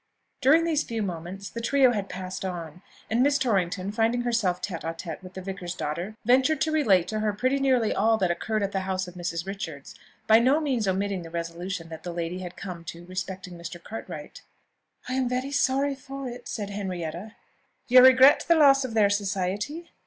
During these few moments the trio had passed on, and Miss Torrington, finding herself tête à tête with the vicar's daughter, ventured to relate to her pretty nearly all that occurred at the house of Mrs. Richards; by no means omitting the resolution that lady had come to respecting Mr. Cartwright. "I am very sorry for it," said Henrietta. "You regret the loss of their society?